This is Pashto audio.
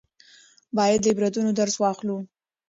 باید له عبرتونو درس واخلو.